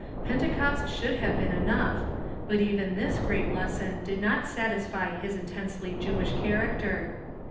Pentecost should have been enough, but even this great lesson did not satisfy his intensely Jewish character.